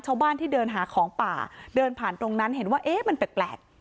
ชาวบ้านที่เดินหาของป่าเดินผ่านตรงนั้นเห็นว่าเอ๊ะมันแปลก